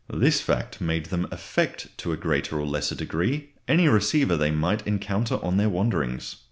This fact made them affect to a greater or less degree any receiver they might encounter on their wanderings.